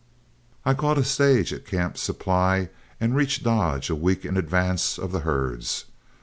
I caught a stage at Camp Supply and reached Dodge a week in advance of the herds.